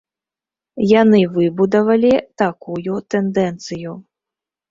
Яны выбудавалі такую тэндэнцыю.